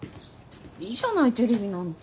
いいじゃないテレビなんて。